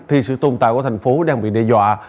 thì sự tồn tại của thành phố đang bị đe dọa